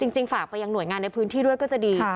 จริงฝากไปยังหน่วยงานในพื้นที่ด้วยก็จะดี